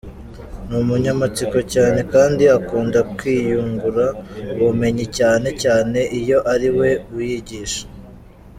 Ni umunyamatsiko cyane kandi akunda kwiyungura ubumenyi cyane cyane iyo ari we wiyigisha.